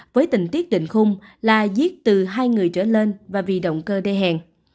với tình tiết định khung là giết từ hai người trở lên và vì động cơ đe hẹn